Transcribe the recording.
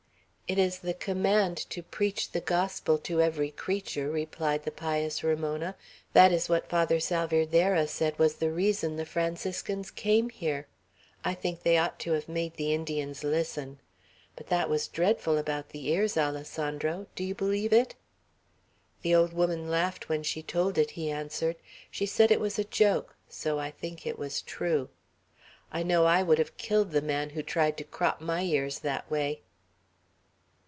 "It is the command to preach the gospel to every creature," replied the pious Ramona. "That is what Father Salvierderra said was the reason the Franciscans came here. I think they ought to have made the Indians listen. But that was dreadful about the ears, Alessandro. Do you believe it?" "The old woman laughed when she told it," he answered. "She said it was a joke; so I think it was true. I know I would have killed the man who tried to crop my ears that way."